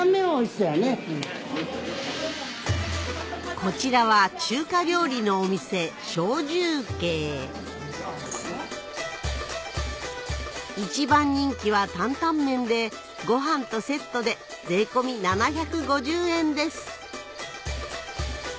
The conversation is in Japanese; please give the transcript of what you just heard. こちらは中華料理のお店一番人気はご飯とセットで税込み７５０円です